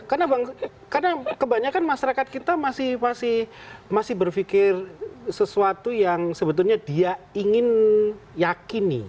karena kebanyakan masyarakat kita masih berpikir sesuatu yang sebetulnya dia ingin yakini